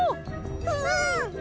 うん！